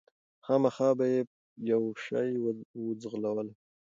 خامخا به یې یو شی وو ځغلولی